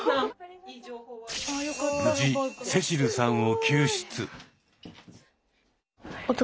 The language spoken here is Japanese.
無事聖秋流さんを救出。